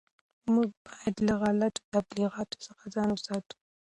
موږ باید له غلطو تبلیغاتو څخه ځان وساتو.